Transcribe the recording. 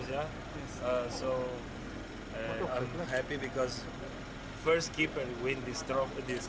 saya senang karena pertama keeper menang trofe ini